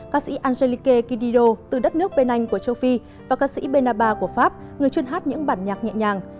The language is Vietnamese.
ca sĩ angelique kidido từ đất nước bên anh của châu phi và ca sĩ benabar của pháp người chuyên hát những bản nhạc nhẹ nhàng